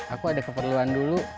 aku ada keperluan dulu